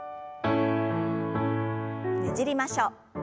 ねじりましょう。